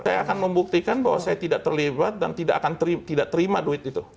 saya akan membuktikan bahwa saya tidak terlibat dan tidak terima duit itu